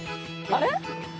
あれ？